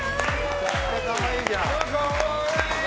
めちゃくちゃ可愛いじゃん。